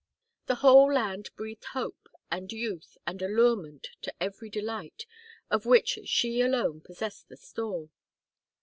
The whole land breathed hope, and youth, and allurement to every delight, of which she alone possessed the store.